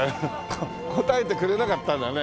答えてくれなかったんだね。